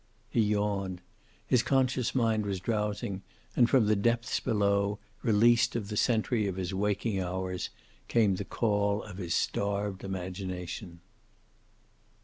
He yawned. His conscious mind was drowsing, and from the depths below, released of the sentry of his waking hours, came the call of his starved imagination.